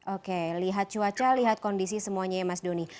oke lihat cuaca lihat kondisi semuanya ya mas doni